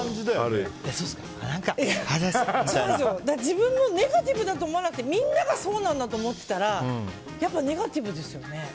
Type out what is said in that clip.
自分をネガティブだと思わなくてみんなそうだと思っていたらネガティブですよね。